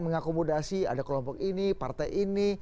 mengakomodasi ada kelompok ini partai ini